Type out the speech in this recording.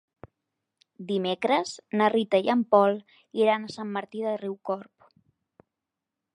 Dimecres na Rita i en Pol iran a Sant Martí de Riucorb.